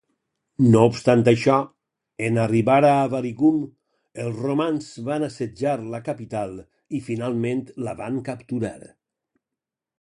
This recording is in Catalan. No obstant això, en arribar a Avaricum, els romans van assetjar la capital i finalment la van capturar.